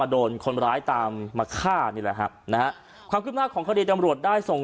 โดนคนร้ายตามมาฆ่านี่แหละครับนะฮะความคืบหน้าของคดีจำรวจได้ส่ง